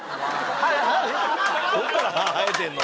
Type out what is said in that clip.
「どっから歯生えてんの？」